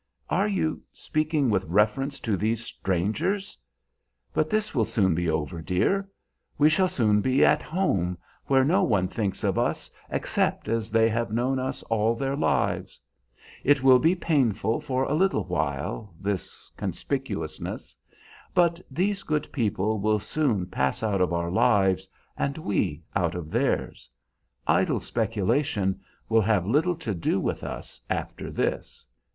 "Are you speaking with reference to these strangers? But this will soon be over, dear. We shall soon be at home, where no one thinks of us except as they have known us all their lives. It will be painful for a little while, this conspicuousness; but these good people will soon pass out of our lives, and we out of theirs. Idle speculation will have little to do with us, after this."